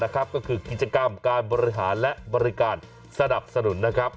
ก็คือกิจกรรมการบริหารและบริการสนับสนุนนะครับ